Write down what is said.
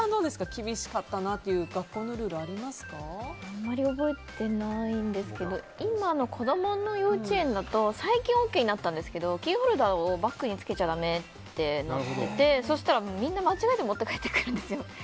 厳しかったなっていうあまり覚えてないんですけど今の子供の幼稚園だと最近ＯＫになったんですけどキーホルダーをバッグにつけちゃだめってなってそしたらみんな間違えて持って帰ってくるんですよ。